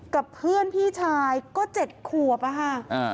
กับเพื่อนพี่ชายก็เจ็ดขัวปะฮะ